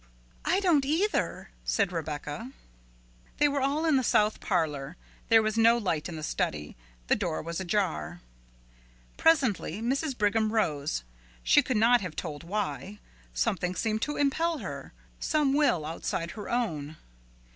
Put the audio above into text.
"I don't either," said Rebecca. They were all in the south parlor. There was no light in the study; the door was ajar. Presently Mrs. Brigham rose she could not have told why; something seemed to impel her some will outside her own.